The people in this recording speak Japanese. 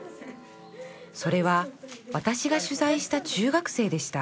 それは私が取材した中学生でした